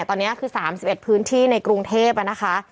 ตอนนี้คือ๓๑พื้นที่ในกรุงเทพนะคะ